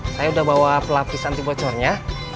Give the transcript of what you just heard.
saya udah bawa pelapis anti bocornya